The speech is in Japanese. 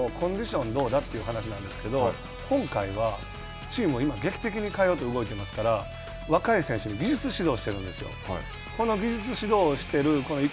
僕と話しているのもコンディションどうだ？という話なんですけれども、今回はチームを今劇的に変えようと動いてますから若い選手に技術指導しているんですよ。